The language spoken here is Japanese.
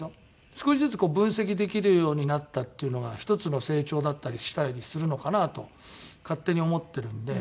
少しずつ分析できるようになったっていうのが１つの成長だったりしたりするのかなと勝手に思ってるので。